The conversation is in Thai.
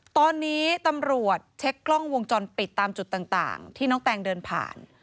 ตอนนี้ตำรวจเช็คกล้องวงจรปิดตามจุดต่างที่น้องแตงเดินผ่าน